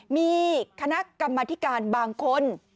มีคณะกรรมธิการบางคน